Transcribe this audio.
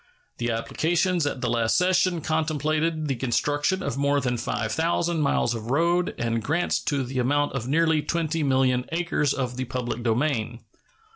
The applications at the last session contemplated the construction of more than 5,000 miles of road and grants to the amount of nearly 20,000,000 acres of the public domain.